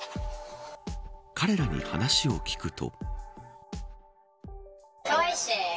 彼らに話を聞くと。